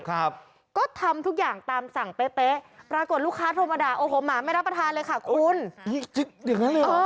ก็ทำทุกอย่างตามสั่งเป๊ะปรากฏลูกค้าโธมดาโอ้โหหมาไม่รับประทานเลยค่ะคุณ